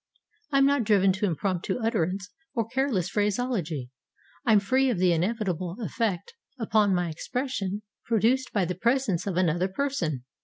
I am not driven to impromptu utterance or careless phraseology. I am free of the inevitable effect upon my expression produced by the presence of another person.